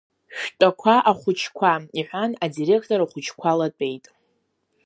Шәтәақәа, ахәыҷқәа, — иҳәан адиректор, ахәыҷқәа латәеит.